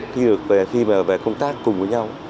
khi mà về công tác cùng với nhau